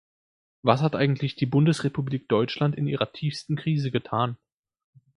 Was hat eigentlich die Bundesrepublik Deutschland in ihrer tiefsten Krise getan?